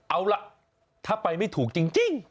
เอาล่ะถ้าไปไม่ถูกจริง